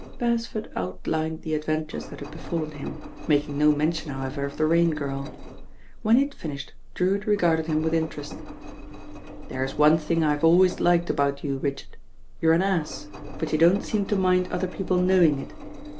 Beresford outlined the adventures that had be fallen him, making no mention, howev r, of the It 94 THE RAIN GIRL ■'f I ■ J Rain^irl. When he had finished Drewitt regarded nim with interest. "There is one thing I have always liked about you, Richard, you're an ass; but you don't seem to mind other people knowing it.